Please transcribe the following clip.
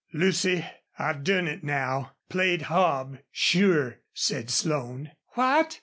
"Lucy, I've done it now played hob, sure," said Slone. "What?"